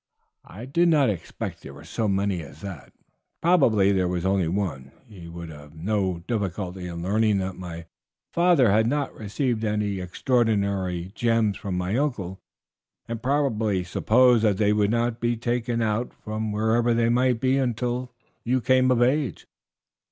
"I do not expect there were so many as that; probably there was only one. He would have no difficulty in learning that my father had not received any extraordinary gems from my uncle, and probably supposed that they would not be taken out from wherever they might be until you came of age.